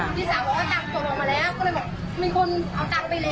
พี่สาวบอกว่าตังค์ส่งออกมาแล้วก็เลยบอกมีคนเอาตังค์ไปแล้ว